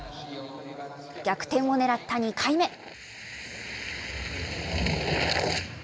逆転をねらった２回目。